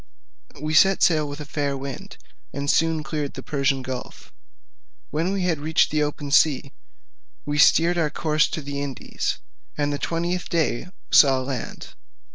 We set sail with a fair wind, and soon cleared the Persian gulf; when we had reached the open sea, we steered our course to the Indies; and the twentieth day saw land.